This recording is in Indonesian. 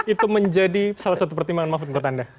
itu menjadi salah satu pertimbangan mahfud menurut anda